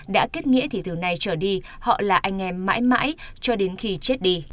đã kết nghĩa thì từ nay trở đi họ là anh em mãi mãi cho đến khi chết đi